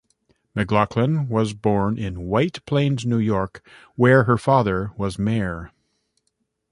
McLaughlin was born in White Plains, New York, where her father was mayor.